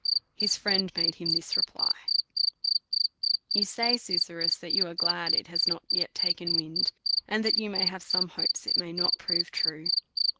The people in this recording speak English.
His friend made him this reply : You say, Susurrus, that you are glad it has not yet taken wind; and that you have some hopes it may not prove true.